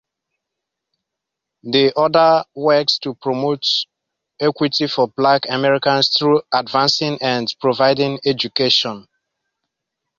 The order works to promote equity for Black Americans through advancing and providing education.